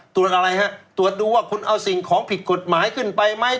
ตรวจอะไรฮะตรวจดูว่าคุณเอาสิ่งของผิดกฎหมายขึ้นไปไหม